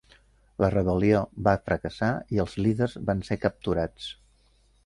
La rebel·lió va fracassar i els líders van ser capturats.